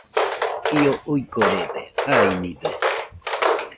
Io uigorede, jainide,